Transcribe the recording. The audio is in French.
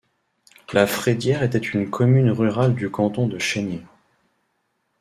La Frédière était une commune rurale du canton de Chaniers.